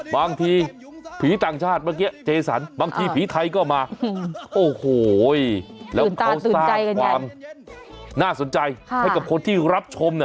บางทีผีต่างชาติเมื่อกี้เจสันบางทีผีไทยก็มาโอ้โหแล้วเขาสร้างความน่าสนใจให้กับคนที่รับชม